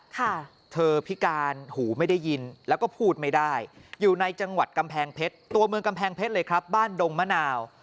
เธอพิการหูไม่ได้ยินแล้วก็พูดไม่ได้อยู่ในจังหวัดกำแพงเพชรตัวเมืองกำแพงเพชรเลยครับบ้านดงมะนาว